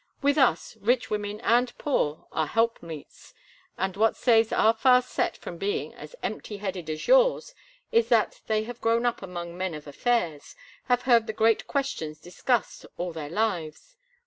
With us rich women and poor are helpmeets, and what saves our fast set from being as empty headed as yours is that they have grown up among men of affairs, have heard the great questions discussed all their lives.